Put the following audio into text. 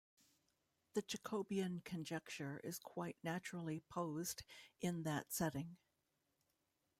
The Jacobian conjecture is quite naturally posed in that setting.